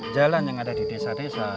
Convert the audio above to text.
jalan yang ada di desa desa